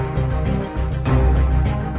แล้วมีทุกคน